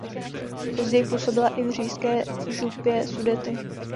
Později působila i v Říšské župě Sudety.